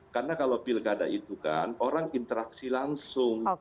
karena kalau pin kado itu kan orang interaksi langsung